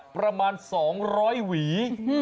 ประมาณสองร้อยหวี